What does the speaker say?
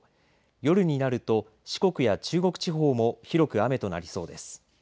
夜になると四国や中国地方も広く雨となりそうです。